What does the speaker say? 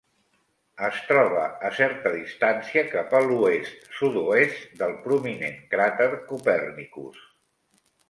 Es troba a certa distància cap a l'oest-sud-oest del prominent cràter Copernicus.